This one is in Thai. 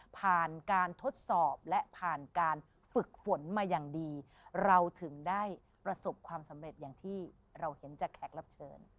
ผ่านการทดสอบและผ่านการฝึกฝนมาอย่างดีเราถึงได้ประสบความสำเร็จอย่างที่เราเห็นจากแขกรับเชิญ